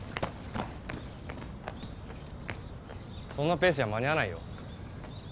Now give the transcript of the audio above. そんなペースじゃ間に合わないよ。